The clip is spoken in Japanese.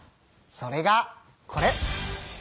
それがこれ！